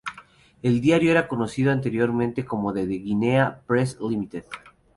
El diario era conocido anteriormente como The Guinea Press Limited.